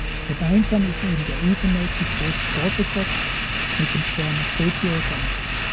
Gemeinsam ist ihnen der übermäßig große Vorderkopf mit dem Spermaceti-Organ.